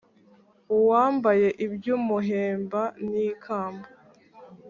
uwambaye iby’umuhemba n’ikamba,